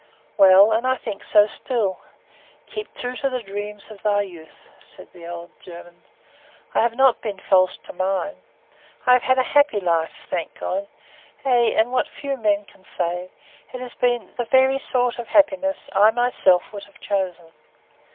"Well, and I think so still. 'Keep true to the dreams of thy youth,' saith the old German; I have not been false to mine. I have had a happy life, thank God; ay, and what few men can say, it has been the very sort of happiness I myself would have chosen.